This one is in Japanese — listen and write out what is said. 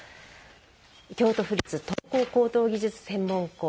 京都府立陶工高等技術専門校。